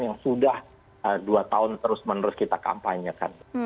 yang sudah dua tahun terus menerus kita kampanyekan